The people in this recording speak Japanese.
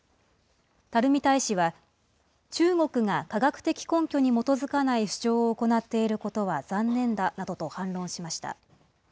垂大使は、中国が科学的根拠に基づかない主張を行っていることは残念だなどと反論しました。